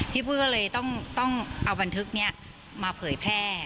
พี่ปุ้ยก็เลยต้องเอาบันทึกนี้มาเผยแพร่